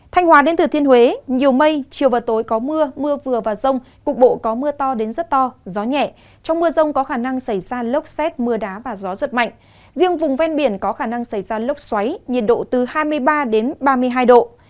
thanh hóa đến thừa thiên huế nhiều mây chiều và tối có mưa mưa vừa và rông cục bộ có mưa to đến rất to gió nhẹ trong mưa rông có khả năng xảy ra lốc xét mưa đá và gió giật mạnh riêng vùng ven biển có khả năng xảy ra lốc xoáy nhiệt độ từ hai mươi ba đến ba mươi hai độ